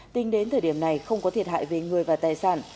tính đến thời điểm này không có thiệt hại về người và tài sản